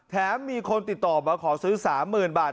ถ้ามีคนติดต่อมาขอซื้อสามหมื่นบาท